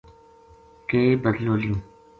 کے بَدلو لیوں